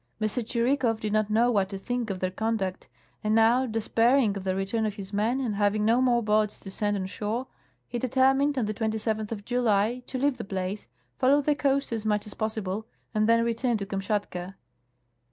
M. Tschh'ikow did not know what to think of tlieir conduct, and now, despairing of the return of his men and having no more boats to send on shore, he determined, on tlie 27tli of July, to leave the place, follow the coast as much as possi ble, and then return to Kamshatka.